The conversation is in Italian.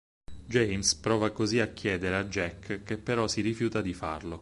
James prova così a chiedere a Jack che però si rifiuta di farlo.